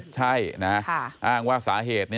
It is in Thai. ใช่นะอ้างว่าสาเหตุ